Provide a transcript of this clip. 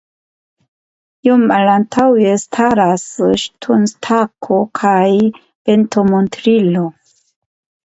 Iom malantaŭe staras ŝtonstako kaj ventomontrilo.